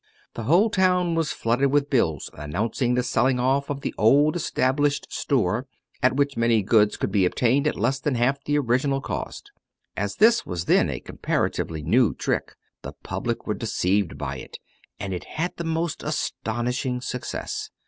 The whole town was flooded with bills announcing this selling off of the old established store, at which many goods could be obtained at less than half the original cost. As this was then a comparatively new trick the public were deceived by it, and it had the most astonishing success.